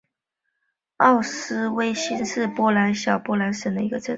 奥斯威辛是波兰小波兰省的一个镇。